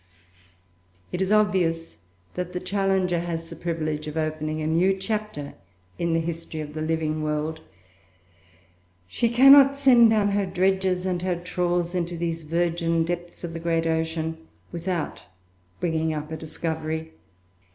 It is obvious that the Challenger has the privilege of opening a new chapter in the history of the living world. She cannot send down her dredges and her trawls into these virgin depths of the great ocean without bringing up a discovery.